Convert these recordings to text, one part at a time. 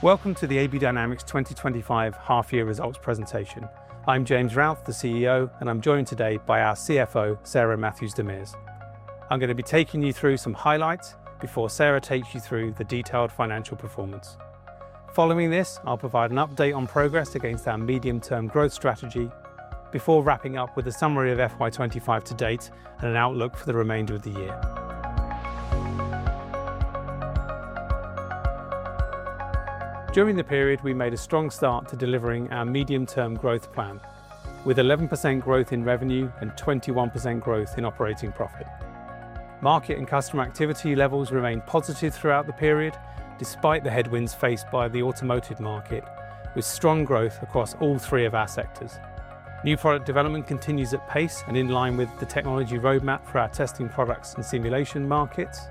Welcome to the AB Dynamics 2025 half-year results presentation. I'm James Routh, the CEO, and I'm joined today by our CFO, Sarah Matthews-DeMers. I'm going to be taking you through some highlights before Sarah takes you through the detailed financial performance. Following this, I'll provide an update on progress against our medium-term growth strategy before wrapping up with a summary of FY25 to date and an outlook for the remainder of the year. During the period, we made a strong start to delivering our medium-term growth plan, with 11% growth in revenue and 21% growth in operating profit. Market and customer activity levels remained positive throughout the period, despite the headwinds faced by the automotive market, with strong growth across all three of our sectors. New product development continues at pace and in line with the technology roadmap for our testing products and simulation markets,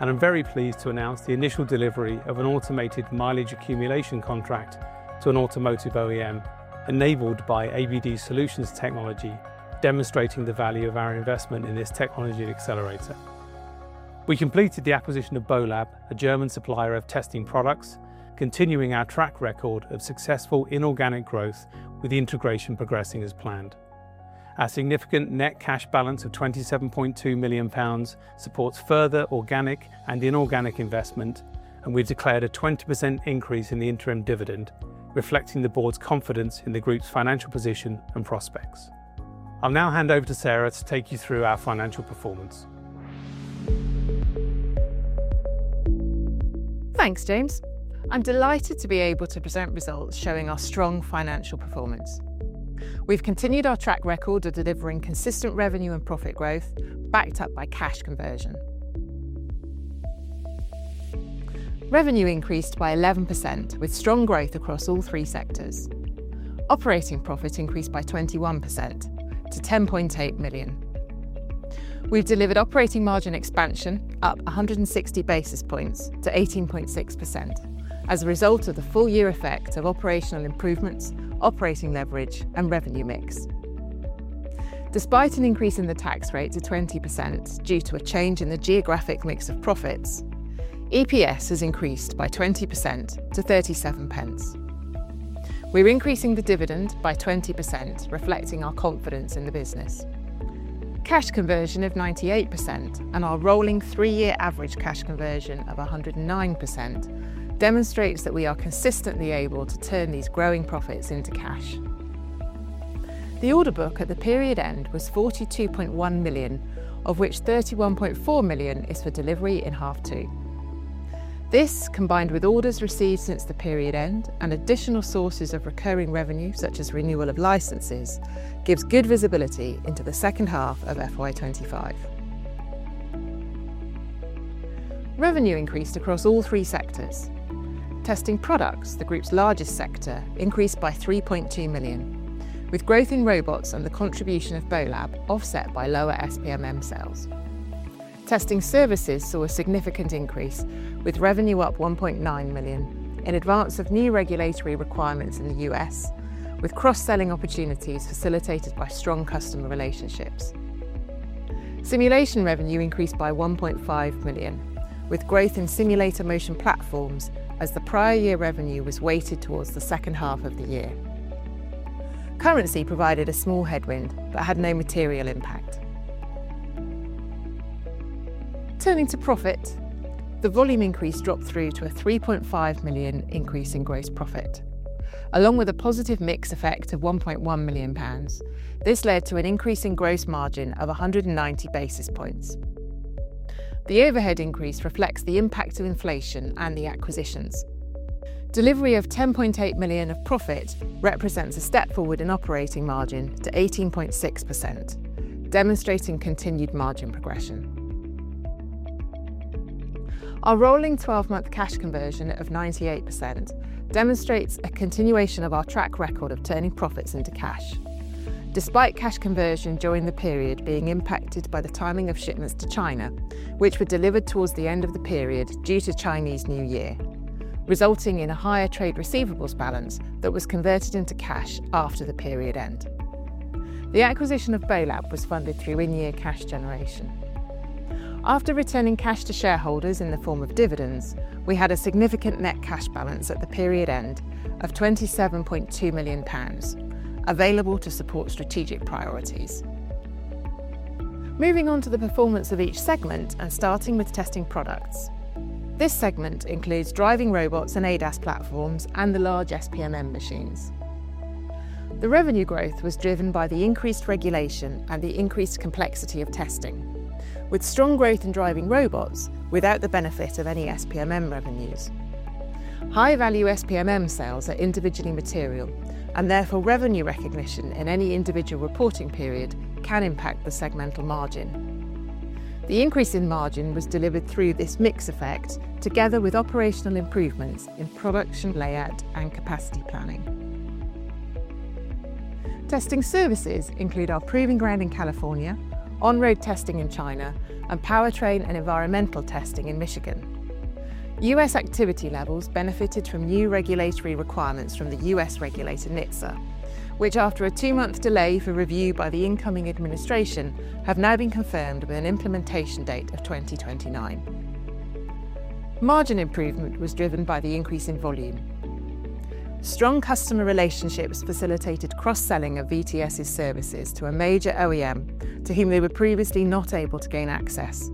and I'm very pleased to announce the initial delivery of an automated mileage accumulation contract to an automotive OEM enabled by ABD Solutions technology, demonstrating the value of our investment in this technology accelerator. We completed the acquisition of Bolab, a German supplier of testing products, continuing our track record of successful inorganic growth, with the integration progressing as planned. Our significant net cash balance of 27.2 million pounds supports further organic and inorganic investment, and we've declared a 20% increase in the interim dividend, reflecting the board's confidence in the group's financial position and prospects. I'll now hand over to Sarah to take you through our financial performance. Thanks, James. I'm delighted to be able to present results showing our strong financial performance. We've continued our track record of delivering consistent revenue and profit growth, backed up by cash conversion. Revenue increased by 11%, with strong growth across all three sectors. Operating profit increased by 21% to 10.8 million. We've delivered operating margin expansion up 160 basis points to 18.6% as a result of the full-year effect of operational improvements, operating leverage, and revenue mix. Despite an increase in the tax rate to 20% due to a change in the geographic mix of profits, EPS has increased by 20% to 0.37. We're increasing the dividend by 20%, reflecting our confidence in the business. Cash conversion of 98% and our rolling three-year average cash conversion of 109% demonstrates that we are consistently able to turn these growing profits into cash. The order book at the period end was 42.1 million, of which 31.4 million is for delivery in half two. This, combined with orders received since the period end and additional sources of recurring revenue, such as renewal of licenses, gives good visibility into the second half of FY 2025. Revenue increased across all three sectors. Testing products, the group's largest sector, increased by 3.2 million, with growth in robots and the contribution of Bolab offset by lower SPMM sales. Testing services saw a significant increase, with revenue up 1.9 million in advance of new regulatory requirements in the U.S., with cross-selling opportunities facilitated by strong customer relationships. Simulation revenue increased by 1.5 million, with growth in simulator motion platforms as the prior year revenue was weighted towards the second half of the year. Currency provided a small headwind but had no material impact. Turning to profit, the volume increase dropped through to a 3.5 million increase in gross profit, along with a positive mix effect of 1.1 million pounds. This led to an increase in gross margin of 190 basis points. The overhead increase reflects the impact of inflation and the acquisitions. Delivery of 10.8 million of profit represents a step forward in operating margin to 18.6%, demonstrating continued margin progression. Our rolling 12-month cash conversion of 98% demonstrates a continuation of our track record of turning profits into cash, despite cash conversion during the period being impacted by the timing of shipments to China, which were delivered towards the end of the period due to Chinese New Year, resulting in a higher trade receivables balance that was converted into cash after the period end. The acquisition of Bolab was funded through in-year cash generation. After returning cash to shareholders in the form of dividends, we had a significant net cash balance at the period end of 27.2 million pounds available to support strategic priorities. Moving on to the performance of each segment and starting with testing products. This segment includes driving robots and ADAS platforms and the large SPMM machines. The revenue growth was driven by the increased regulation and the increased complexity of testing, with strong growth in driving robots without the benefit of any SPMM revenues. High-value SPMM sales are individually material, and therefore revenue recognition in any individual reporting period can impact the segmental margin. The increase in margin was delivered through this mix effect together with operational improvements in production layout and capacity planning. Testing services include our proving ground in California, on-road testing in China, and powertrain and environmental testing in Michigan. US activity levels benefited from new regulatory requirements from the US regulator NHTSA, which, after a two-month delay for review by the incoming administration, have now been confirmed with an implementation date of 2029. Margin improvement was driven by the increase in volume. Strong customer relationships facilitated cross-selling of VTS's services to a major OEM to whom they were previously not able to gain access.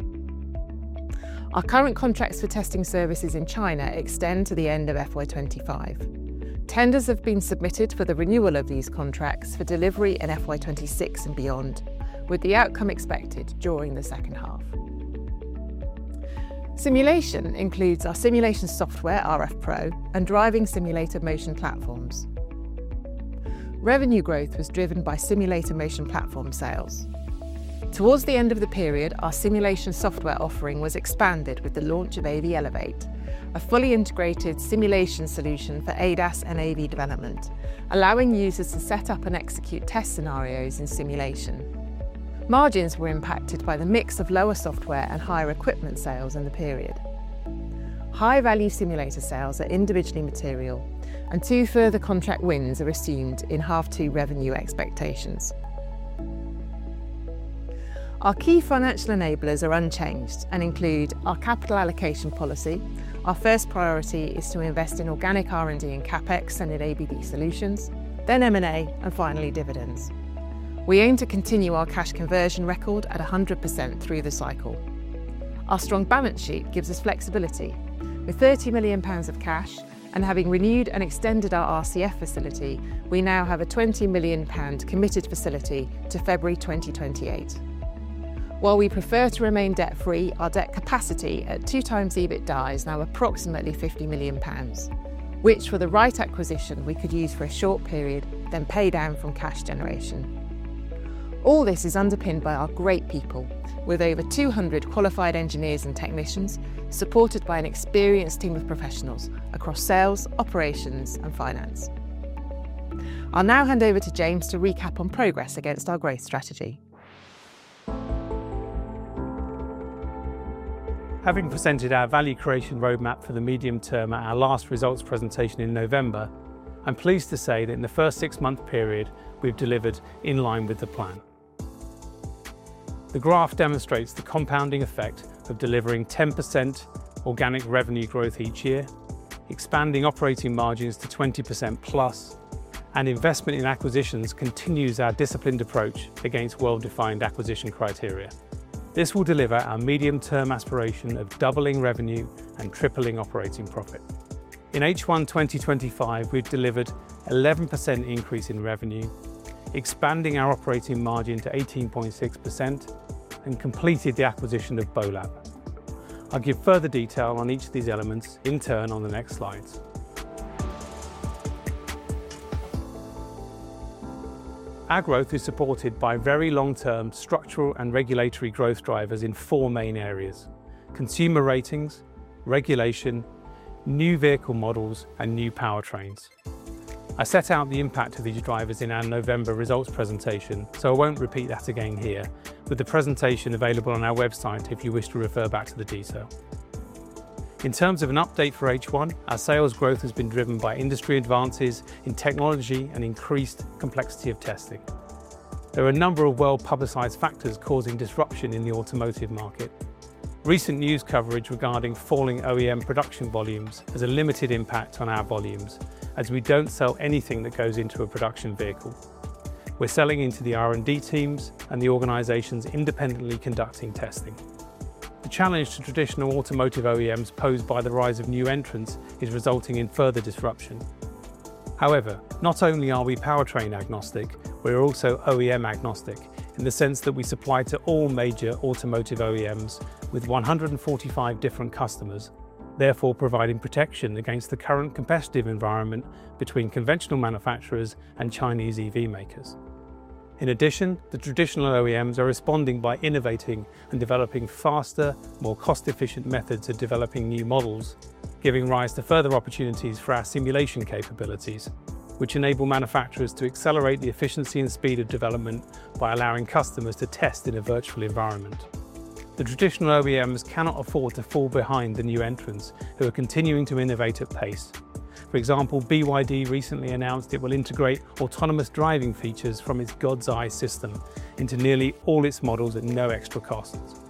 Our current contracts for testing services in China extend to the end of FY 2025. Tenders have been submitted for the renewal of these contracts for delivery in FY2026 and beyond, with the outcome expected during the second half. Simulation includes our simulation software, rFpro, and driving simulator motion platforms. Revenue growth was driven by simulator motion platform sales. Towards the end of the period, our simulation software offering was expanded with the launch of AV Elevate, a fully integrated simulation solution for ADAS and AV development, allowing users to set up and execute test scenarios in simulation. Margins were impacted by the mix of lower software and higher equipment sales in the period. High-value simulator sales are individually material, and two further contract wins are assumed in half two revenue expectations. Our key financial enablers are unchanged and include our capital allocation policy. Our first priority is to invest in organic R&D and CapEx and in ABD Solutions, then M&A, and finally dividends. We aim to continue our cash conversion record at 100% through the cycle. Our strong balance sheet gives us flexibility. With 30 million pounds of cash and having renewed and extended our RCF facility, we now have a 20 million pound committed facility to February 2028. While we prefer to remain debt-free, our debt capacity at two times EBITDA is now approximately 50 million pounds, which, for the right acquisition, we could use for a short period, then pay down from cash generation. All this is underpinned by our great people, with over 200 qualified engineers and technicians supported by an experienced team of professionals across sales, operations, and finance. I'll now hand over to James to recap on progress against our growth strategy. Having presented our value creation roadmap for the medium term at our last results presentation in November, I'm pleased to say that in the first six-month period, we've delivered in line with the plan. The graph demonstrates the compounding effect of delivering 10% organic revenue growth each year, expanding operating margins to 20% plus, and investment in acquisitions continues our disciplined approach against well-defined acquisition criteria. This will deliver our medium-term aspiration of doubling revenue and tripling operating profit. In H1 2025, we've delivered an 11% increase in revenue, expanding our operating margin to 18.6%, and completed the acquisition of Bolab. I'll give further detail on each of these elements in turn on the next slides. Our growth is supported by very long-term structural and regulatory growth drivers in four main areas: consumer ratings, regulation, new vehicle models, and new powertrains. I set out the impact of these drivers in our November results presentation, so I won't repeat that again here, with the presentation available on our website if you wish to refer back to the detail. In terms of an update for H1, our sales growth has been driven by industry advances in technology and increased complexity of testing. There are a number of well-publicized factors causing disruption in the automotive market. Recent news coverage regarding falling OEM production volumes has a limited impact on our volumes, as we don't sell anything that goes into a production vehicle. We're selling into the R&D teams and the organizations independently conducting testing. The challenge to traditional automotive OEMs posed by the rise of new entrants is resulting in further disruption. However, not only are we powertrain agnostic, we're also OEM agnostic in the sense that we supply to all major automotive OEMs with 145 different customers, therefore providing protection against the current competitive environment between conventional manufacturers and Chinese EV makers. In addition, the traditional OEMs are responding by innovating and developing faster, more cost-efficient methods of developing new models, giving rise to further opportunities for our simulation capabilities, which enable manufacturers to accelerate the efficiency and speed of development by allowing customers to test in a virtual environment. The traditional OEMs cannot afford to fall behind the new entrants who are continuing to innovate at pace. For example, BYD recently announced it will integrate autonomous driving features from its God's Eye system into nearly all its models at no extra costs.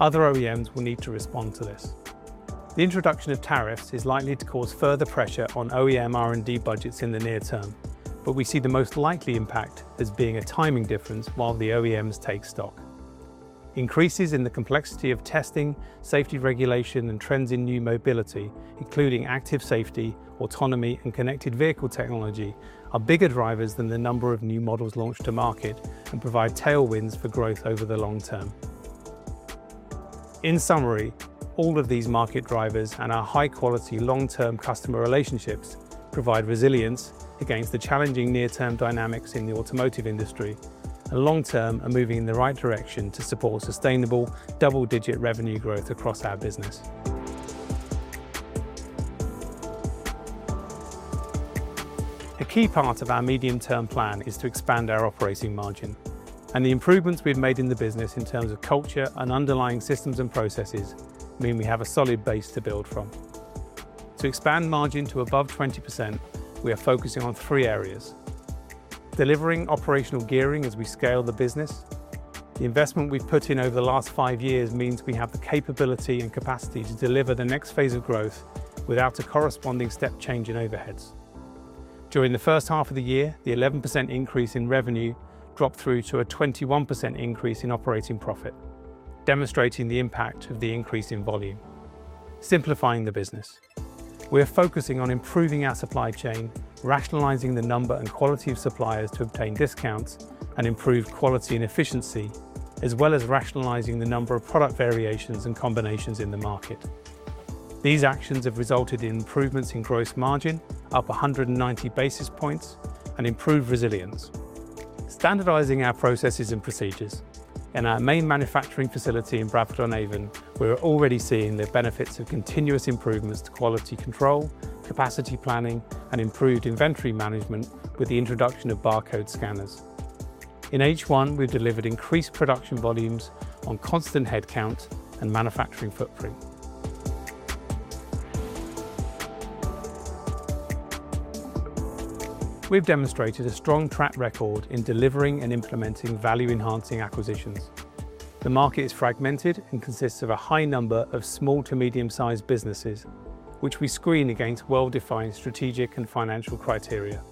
Other OEMs will need to respond to this. The introduction of tariffs is likely to cause further pressure on OEM R&D budgets in the near term, but we see the most likely impact as being a timing difference while the OEMs take stock. Increases in the complexity of testing, safety regulation, and trends in new mobility, including active safety, autonomy, and connected vehicle technology, are bigger drivers than the number of new models launched to market and provide tailwinds for growth over the long term. In summary, all of these market drivers and our high-quality long-term customer relationships provide resilience against the challenging near-term dynamics in the automotive industry, and long term, are moving in the right direction to support sustainable double-digit revenue growth across our business. A key part of our medium-term plan is to expand our operating margin, and the improvements we've made in the business in terms of culture and underlying systems and processes mean we have a solid base to build from. To expand margin to above 20%, we are focusing on three areas: delivering operational gearing as we scale the business. The investment we've put in over the last five years means we have the capability and capacity to deliver the next phase of growth without a corresponding step change in overheads. During the first half of the year, the 11% increase in revenue dropped through to a 21% increase in operating profit, demonstrating the impact of the increase in volume. Simplifying the business, we are focusing on improving our supply chain, rationalizing the number and quality of suppliers to obtain discounts and improve quality and efficiency, as well as rationalizing the number of product variations and combinations in the market. These actions have resulted in improvements in gross margin, up 190 basis points, and improved resilience. Standardizing our processes and procedures in our main manufacturing facility in Bradford-on-Avon, we are already seeing the benefits of continuous improvements to quality control, capacity planning, and improved inventory management with the introduction of barcode scanners. In H1, we've delivered increased production volumes on constant headcount and manufacturing footprint. We've demonstrated a strong track record in delivering and implementing value-enhancing acquisitions. The market is fragmented and consists of a high number of small to medium-sized businesses, which we screen against well-defined strategic and financial criteria.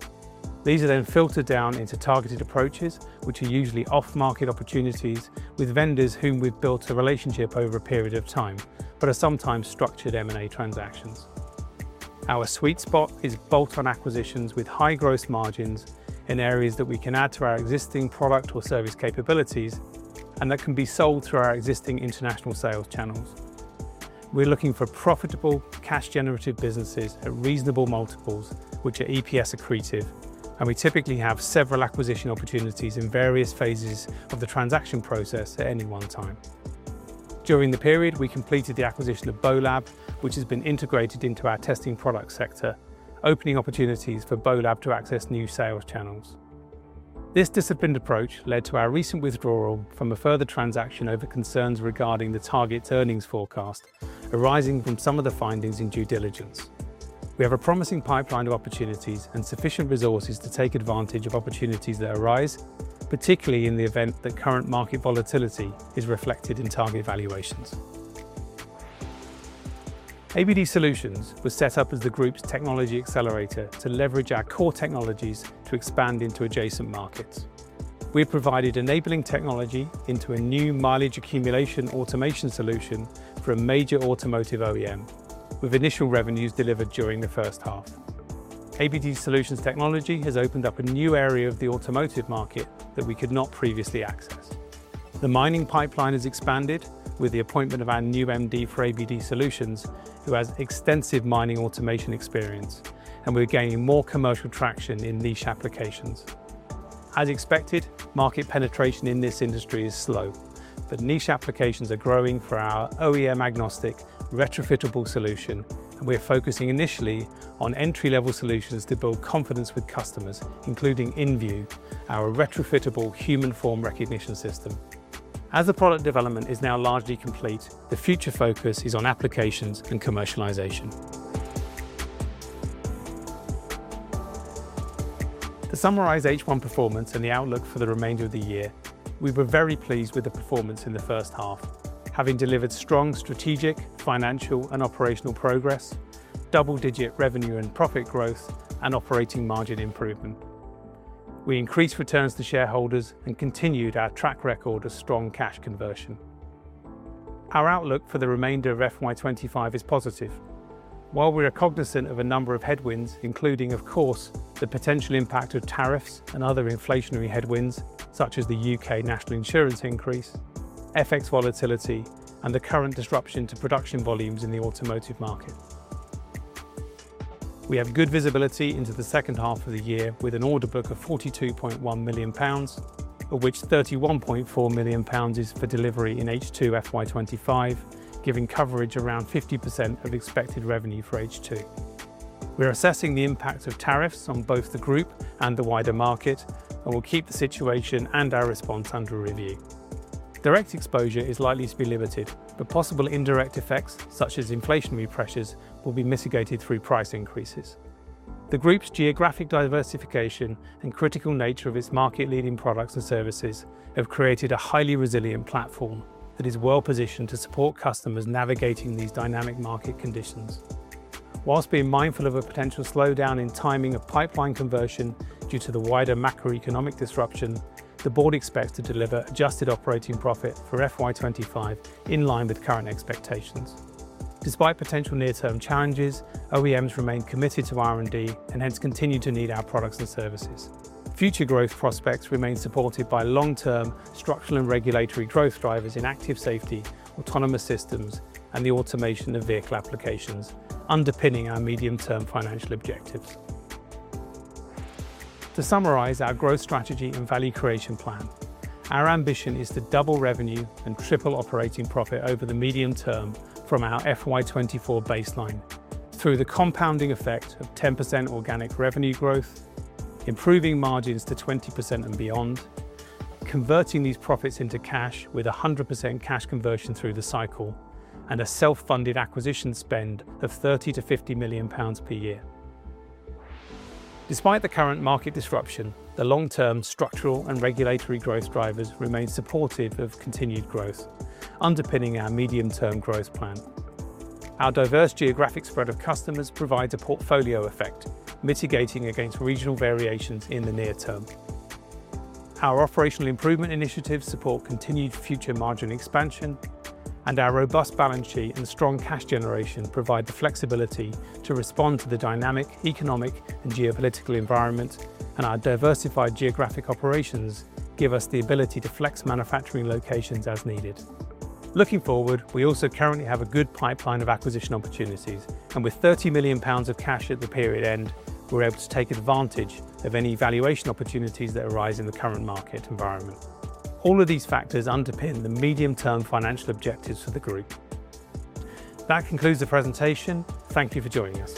These are then filtered down into targeted approaches, which are usually off-market opportunities with vendors whom we've built a relationship over a period of time, but are sometimes structured M&A transactions. Our sweet spot is bolt-on acquisitions with high gross margins in areas that we can add to our existing product or service capabilities and that can be sold through our existing international sales channels. We're looking for profitable cash-generative businesses at reasonable multiples, which are EPS accretive, and we typically have several acquisition opportunities in various phases of the transaction process at any one time. During the period, we completed the acquisition of Bolab, which has been integrated into our testing product sector, opening opportunities for Bolab to access new sales channels. This disciplined approach led to our recent withdrawal from a further transaction over concerns regarding the target earnings forecast arising from some of the findings in due diligence. We have a promising pipeline of opportunities and sufficient resources to take advantage of opportunities that arise, particularly in the event that current market volatility is reflected in target valuations. ABD Solutions was set up as the group's technology accelerator to leverage our core technologies to expand into adjacent markets. We have provided enabling technology into a new mileage accumulation automation solution for a major automotive OEM, with initial revenues delivered during the first half. ABD Solutions technology has opened up a new area of the automotive market that we could not previously access. The mining pipeline has expanded with the appointment of our new MD for ABD Solutions, who has extensive mining automation experience, and we're gaining more commercial traction in niche applications. As expected, market penetration in this industry is slow, but niche applications are growing for our OEM-agnostic retrofittable solution, and we are focusing initially on entry-level solutions to build confidence with customers, including InView, our retrofittable human form recognition system. As the product development is now largely complete, the future focus is on applications and commercialization. To summarize H1 performance and the outlook for the remainder of the year, we were very pleased with the performance in the first half, having delivered strong strategic, financial, and operational progress, double-digit revenue and profit growth, and operating margin improvement. We increased returns to shareholders and continued our track record of strong cash conversion. Our outlook for the remainder of FY2025 is positive. While we are cognizant of a number of headwinds, including, of course, the potential impact of tariffs and other inflationary headwinds, such as the U.K. National Insurance increase, FX volatility, and the current disruption to production volumes in the automotive market, we have good visibility into the second half of the year with an order book of 42.1 million pounds, of which 31.4 million pounds is for delivery in H2 FY 2025, giving coverage around 50% of expected revenue for H2. We are assessing the impact of tariffs on both the group and the wider market, and we will keep the situation and our response under review. Direct exposure is likely to be limited, but possible indirect effects, such as inflationary pressures, will be mitigated through price increases. The group's geographic diversification and critical nature of its market-leading products and services have created a highly resilient platform that is well-positioned to support customers navigating these dynamic market conditions. Whilst being mindful of a potential slowdown in timing of pipeline conversion due to the wider macroeconomic disruption, the board expects to deliver adjusted operating profit for FY 2025 in line with current expectations. Despite potential near-term challenges, OEMs remain committed to R&D and hence continue to need our products and services. Future growth prospects remain supported by long-term structural and regulatory growth drivers in active safety, autonomous systems, and the automation of vehicle applications, underpinning our medium-term financial objectives. To summarize our growth strategy and value creation plan, our ambition is to double revenue and triple operating profit over the medium term from our FY 2024 baseline through the compounding effect of 10% organic revenue growth, improving margins to 20% and beyond, converting these profits into cash with 100% cash conversion through the cycle, and a self-funded acquisition spend of 30 million to 50 million pounds per year. Despite the current market disruption, the long-term structural and regulatory growth drivers remain supportive of continued growth, underpinning our medium-term growth plan. Our diverse geographic spread of customers provides a portfolio effect, mitigating against regional variations in the near term. Our operational improvement initiatives support continued future margin expansion, and our robust balance sheet and strong cash generation provide the flexibility to respond to the dynamic economic and geopolitical environment, and our diversified geographic operations give us the ability to flex manufacturing locations as needed. Looking forward, we also currently have a good pipeline of acquisition opportunities, and with 30 million pounds of cash at the period end, we're able to take advantage of any valuation opportunities that arise in the current market environment. All of these factors underpin the medium-term financial objectives for the group. That concludes the presentation. Thank you for joining us.